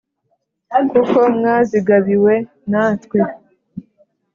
Kuko mwazigabiwe na twe!